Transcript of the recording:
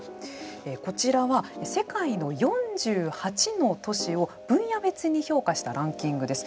こちらは、世界の４８の都市を分野別に評価したランキングです。